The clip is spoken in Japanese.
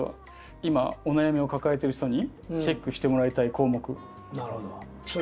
今お悩みを抱えてる人にチェックしてもらいたい項目。